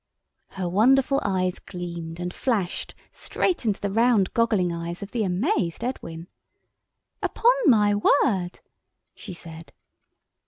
Her wonderful eyes gleamed and flashed straight into the round goggling eyes of the amazed Edwin. "Upon my word!" she said.